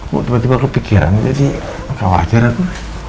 kok tiba tiba kepikiran jadi tak wajar aku